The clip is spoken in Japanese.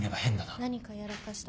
何かやらかしたとか？